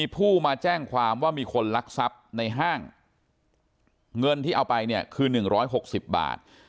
ผู้มาแจ้งความว่ามีคนรักษัพในห้างเงินที่เอาไปเนี่ยคือหนึ่งร้อยหกสิบบาท